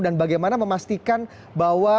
dan bagaimana memastikan bahwa